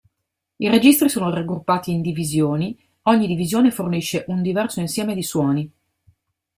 I registri sono raggruppati in "divisioni", ogni divisione fornisce un diverso insieme di suoni.